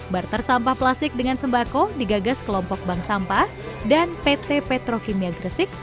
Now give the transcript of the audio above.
barter sampah plastik dengan sembako digagas kelompok bank sampah dan pt petrokimia gresik